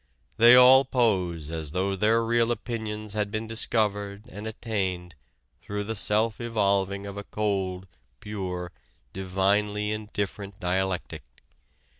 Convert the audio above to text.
"They all pose as though their real opinions had been discovered and attained through the self evolving of a cold, pure, divinely indifferent dialectic...